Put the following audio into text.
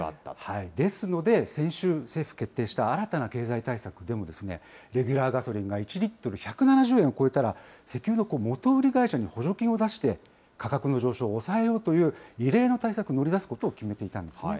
ですので、先週、政府決定した新たな経済対策でも、レギュラーガソリンが１リットル１７０円を超えたら、石油の元売り会社に補助金を出して、価格の上昇を抑えようという異例の対策に乗り出すことを決めていたんですね。